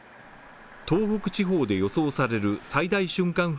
東北地方で予想される最大瞬間